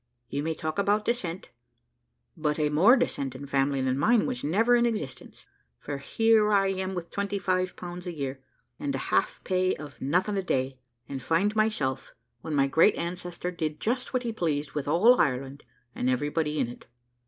You may talk about descent, but a more descending family than mine was never in existence, for here am I with twenty five pounds a year, and a half pay of `nothing a day, and find myself,' when my great ancestor did just what he pleased with all Ireland, and everybody in it.